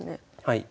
はい。